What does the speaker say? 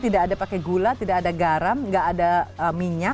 tidak ada pakai gula tidak ada garam tidak ada minyak